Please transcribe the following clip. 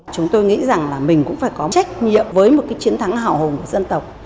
chúng tôi nghĩ rằng là mình cũng phải có trách nhiệm với một cái chiến thắng hào hùng của dân tộc